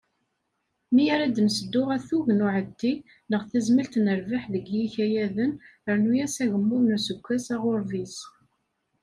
Mi ara d-nesseddu atug n uɛeddi neɣ tazmilt n rrbeḥ deg yikayaden rnu-as agemmuḍ n useggas aɣurbiz.